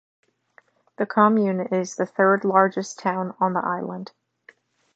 The commune is the third-largest town on the island.